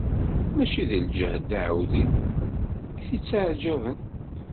Mačči d lǧehd n uɛawdiw i t-itteɛǧaben.